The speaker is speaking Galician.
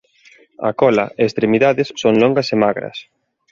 A cola e extremidades son longas e magras.